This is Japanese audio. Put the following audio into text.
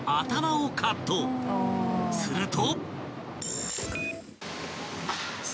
［すると］